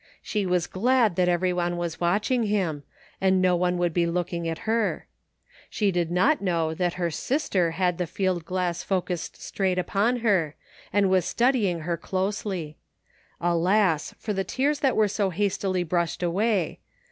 She was glad that everyone was watching him, and no one would be kx)kmg at her. She did not know that her sister had the fidd glass f ocussed straight upon her, and was studying her closdy. Alas, for the tears that were so hastily brushed away.